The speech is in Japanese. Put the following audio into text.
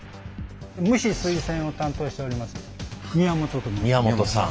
蒸し・水洗を担当しております宮本と申します。